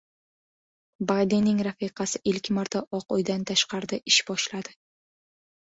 Baydenning rafiqasi ilk marta Oq uydan tashqarida ish boshladi